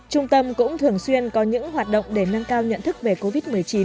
trung tâm cũng thường xuyên có những hoạt động để nâng cao nhận thức về covid một mươi chín